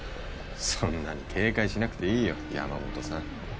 そんなに警戒しなくていいよ山本さん